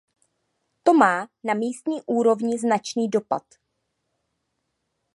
To má na místní úrovni značný dopad.